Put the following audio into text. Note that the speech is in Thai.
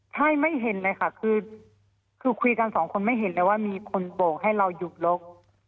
ใช่ไม่เห็นเลยค่ะคือคุยกันสองคนไม่เห็นเลยว่ามีคนโบกให้เราหยุดรถ